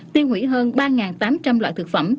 tiêu hủy hơn ba tám trăm linh loại thực phẩm